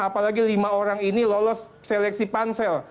apalagi lima orang ini lolos seleksi pansel